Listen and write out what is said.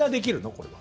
これは。